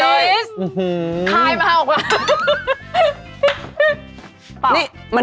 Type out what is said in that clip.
เครีสคลายมาหาออกมา